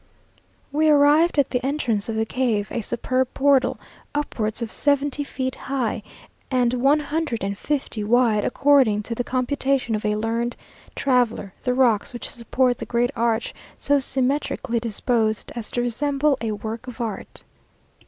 We arrived at the entrance of the cave, a superb portal, upwards of seventy feet high, and one hundred and fifty wide, according to the computation of a learned traveller the rocks which support the great arch so symmetrically disposed as to resemble a work of art.